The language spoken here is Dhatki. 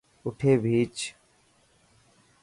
آٺي ڀيهچ.